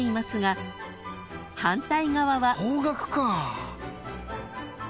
［反対側は］